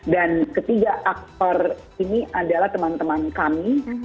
dan ketiga aktor ini adalah teman teman kami